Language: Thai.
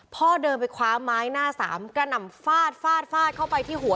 พ่อเดินไปคว้าไม้หน้าสามกระหน่ำฟาดฟาดฟาดเข้าไปที่หัว